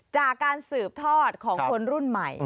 จากการสืบทอดของคนรุ่นใหม่